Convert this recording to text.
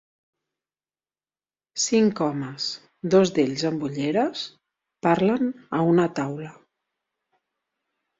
Cinc homes, dos d'ells amb ulleres, parlen a una taula.